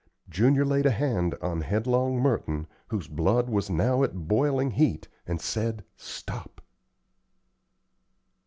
Junior laid a hand on headlong Merton, whose blood was now at boiling heat, and said, "Stop."